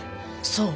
そう。